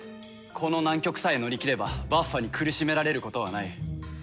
この難局さえ乗りきればバッファに苦しめられることはない。